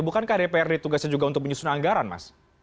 bukankah dprd tugasnya juga untuk menyusun anggaran mas